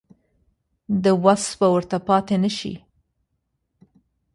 د وس به ورته پاتې نه شي.